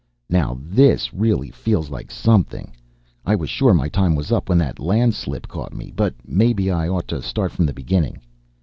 "Now this really feels like something! I was sure my time was up when that land slip caught me. But maybe I ought to start from the beginning."